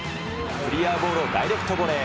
クリアボールをダイレクトボレー。